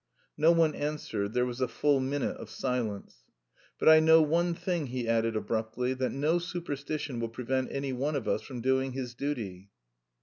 No one answered; there was a full minute of silence. "But I know one thing," he added abruptly, "that no superstition will prevent any one of us from doing his duty."